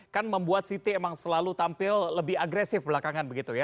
kan membuat siti emang selalu tampil lebih agresif belakangan begitu ya